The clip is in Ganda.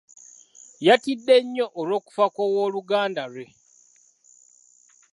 Yatidde nnyo olw'okufa kw'owooluganda lwe.